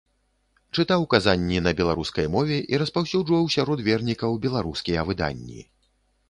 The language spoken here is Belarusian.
Чытаў казанні на беларускай мове і распаўсюджваў сярод вернікаў беларускія выданні.